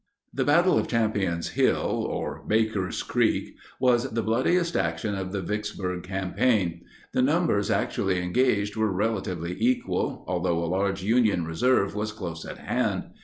] The battle of Champion's Hill (or Baker's Creek) was the bloodiest action of the Vicksburg campaign. The numbers actually engaged were relatively equal, although a large Union reserve was close at hand.